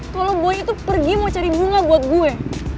kalau buaya itu pergi mau cari bunga buat gue